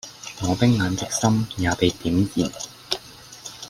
我冰冷的心也被點燃